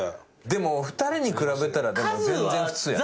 でも２人に比べたら全然普通。